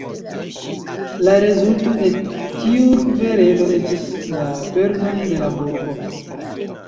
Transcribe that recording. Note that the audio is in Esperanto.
La rezulto de tiu kverelo estis la perdon de la burgo.